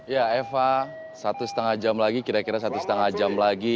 ya eva satu setengah jam lagi kira kira satu setengah jam lagi